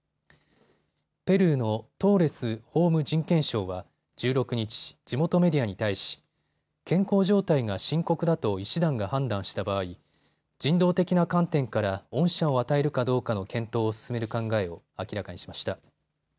ペルーのトーレス法務人権相は１６日、地元メディアに対し健康状態が深刻だと医師団が判断した場合、人道的な観点から恩赦を与えるかどうかの検討を進める考えを明らかにしました。